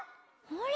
あれ？